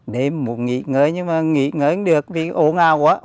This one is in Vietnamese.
đêm một nghỉ ngơi nhưng mà nghỉ ngơi không được vì ồ ngao quá